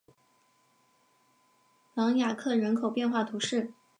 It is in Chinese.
朗雅克人口变化图示